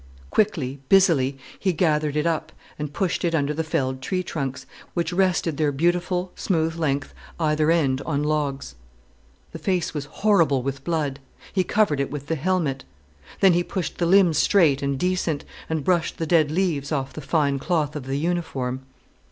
Quickly, busily, he gathered it up and pushed it under the felled tree trunks, which rested their beautiful, smooth length either end on logs. The face was horrible with blood. He covered it with the helmet. Then he pushed the limbs straight and decent, and brushed the dead leaves off the fine cloth of the uniform.